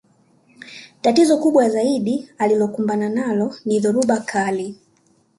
Tatizo kubwa zaidi alilokumbana nalo ni dhoruba kali